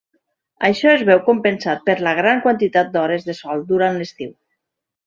Això es veu compensat per la gran quantitat d'hores de sol durant l'estiu.